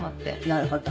なるほど。